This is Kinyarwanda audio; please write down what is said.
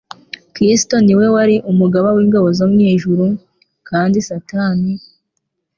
Kristo ni we wari umugaba w'ingabo zo mw'ijuru; kandi Satani,